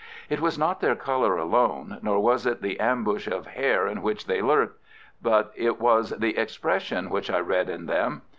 It was not their colour alone, nor was it the ambush of hair in which they lurked; but it was the expression which I read in them.